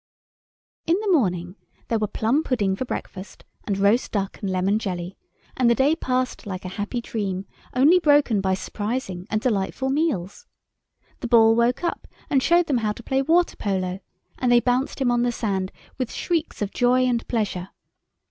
In the morning there were plum pudding for breakfast, and roast duck and lemon jelly, and the day passed like a happy dream, only broken by surprising and delightful meals. The Ball woke up and showed them how to play water polo; and they bounced him on the sand, with shrieks of joy and pleasure.